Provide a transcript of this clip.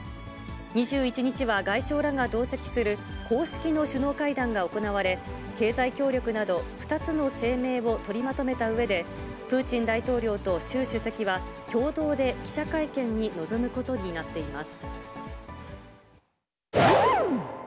２１日は、外相らが同席する公式の首脳会談が行われ、経済協力など２つの声明を取りまとめたうえで、プーチン大統領と習主席は共同で記者会見に臨むことになっています。